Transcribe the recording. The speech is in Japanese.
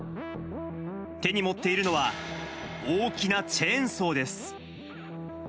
手に持っているのは、大きなチェーンソーです。